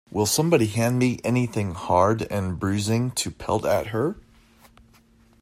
Will somebody hand me anything hard and bruising to pelt at her?